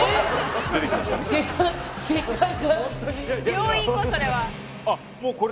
病院行こうそれは。